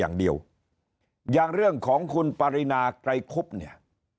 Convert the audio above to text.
อย่างเดียวอย่างเรื่องของคุณปรินาไกรคุบเนี่ย